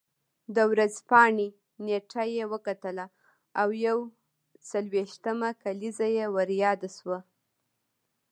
د ورځپاڼې نېټه یې وکتله او یو څلوېښتمه کلیزه یې ور یاده شوه.